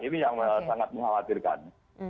ini yang sangat mengkhawatirkan